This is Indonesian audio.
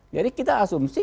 jadi kita asumsi